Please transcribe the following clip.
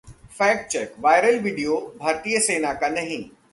fact check viral video भारतीय सेना का नहीं